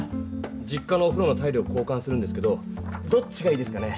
実家のおふろのタイルを交かんするんですけどどっちがいいですかね？